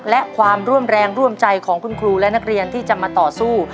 และความร่วมแรงร่วมใจของคุณครูและนักเรียนที่จะมาต่อสู้